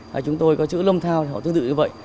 hay chúng tôi có chữ lông thao thì họ tương tự như vậy